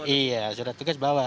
iya surat tugas bawa